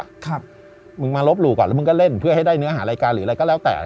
ครับมึงมาลบหลู่ก่อนแล้วมึงก็เล่นเพื่อให้ได้เนื้อหารายการหรืออะไรก็แล้วแต่